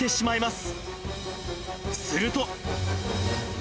すると。